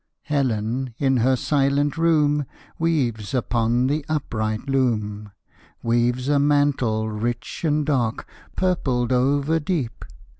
Helen, in her silent room, Weaves upon the upright loom, Weaves a mantle rich and dark, Purpled over deep.